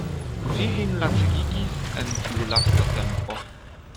Vi vin lacegigis en tiu lasta tempo.